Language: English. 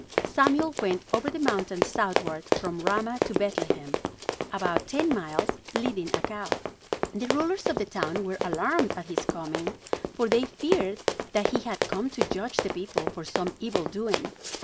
Samuel went over the mountains southward from Ramah to Bethlehem, about ten miles, leading a cow. The rulers of the town were alarmed at his coming, for they feared that he had come to judge the people for some evil doing.